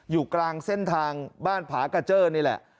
อยู่กลางเส้นทางบ้านผากระเจ้นี่แหละ